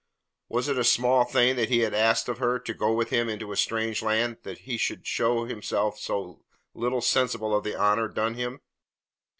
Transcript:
Was it a small thing that he had asked of her, to go with him into a strange land, that he should show himself so little sensible of the honour done him?